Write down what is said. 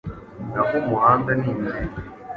naho umuhanda ni inzira